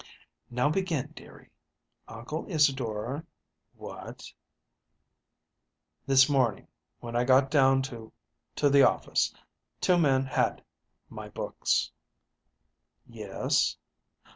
"Now begin, dearie. Uncle Isadore what?" "This morning, when I got down to to the office, two men had my books." "Yes."